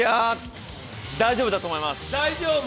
大丈夫だと思います。